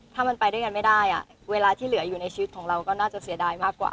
ถ้ามันไปด้วยกันไม่ได้เวลาที่เหลืออยู่ในชีวิตของเราก็น่าจะเสียดายมากกว่า